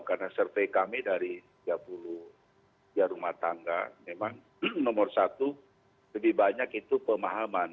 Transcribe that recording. karena survei kami dari tiga puluh rumah tangga memang nomor satu lebih banyak itu pemahaman